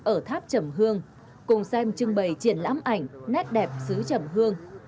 ở tháp trầm hương cùng xem trưng bày triển lãm ảnh nét đẹp xứ trầm hương